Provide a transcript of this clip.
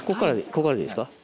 ここからでいいですか？